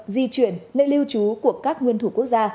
di chuyển nơi lưu trú của các nguyên thủ quốc gia